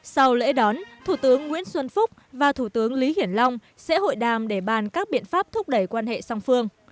sau lễ đón thủ tướng nguyễn xuân phúc và thủ tướng lý hiển long sẽ hội đàm để bàn các biện pháp thúc đẩy quan hệ song phương